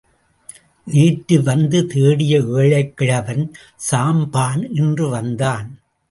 நேற்று வந்து தேடிய ஏழைக்கிழவன் சாம்பான் இன்றும் வந்தான்.